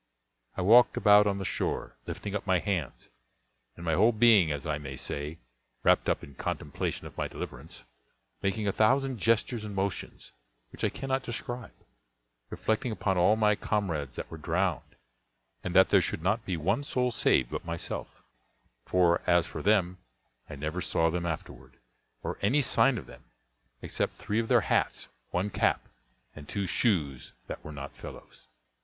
I walked about on the shore, lifting up my hands, and my whole being, as I may say, wrapped up in a contemplation of my deliverance; making a thousand gestures and motions, which I cannot describe; reflecting upon all my comrades that were drowned, and that there should not be one soul saved but myself; for, as for them, I never saw them afterward, or any sign of them, except three of their hats, one cap, and two shoes that were not fellows.